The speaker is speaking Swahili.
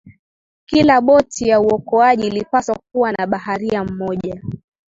kila boti ya uokoaji ilipaswa kuwa na baharia mmoja